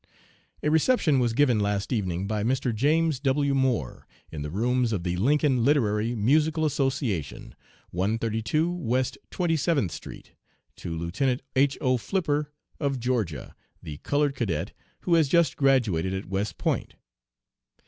"A reception was given last evening by Mr. James W. Moore, in the rooms of the Lincoln Literary Musical Association, 132 West Twenty seventh Street, to Lieutenant H. O. Flipper, of Georgia, the colored cadet who has just graduated at West Point.